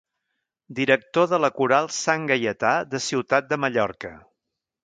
Director de la coral Sant Gaietà de Ciutat de Mallorca.